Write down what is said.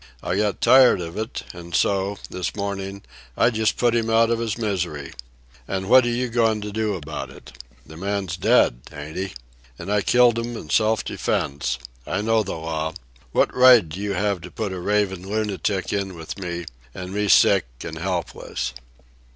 I got tired of it, an' so, this morning, I just put him out of his misery. An' what are you goin' to do about it? The man's dead, ain't he? An' I killed 'm in self defence. I know the law. What right'd you to put a ravin' lunatic in with me, an' me sick an' helpless?"